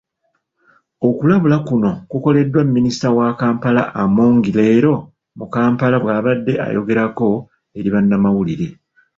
Okulabula kuno kukoleddwa Minisita wa Kampala Amongi leero mu Kampala bwabadde ayogerako eri bannamawulire.